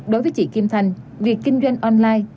đối với chị kim thành việc kinh doanh online